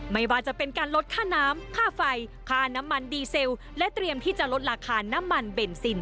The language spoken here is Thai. ไม่ว่าจะเป็นการลดค่าน้ำค่าไฟค่าน้ำมันดีเซลและเตรียมที่จะลดราคาน้ำมันเบนซิน